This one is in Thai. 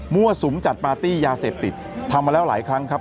สุมจัดปาร์ตี้ยาเสพติดทำมาแล้วหลายครั้งครับ